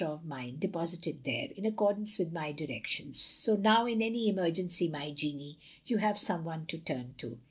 of mine, de posited there, in accordance with my directions; so now, in any emergency, my Jeannie, you have some one to turn to.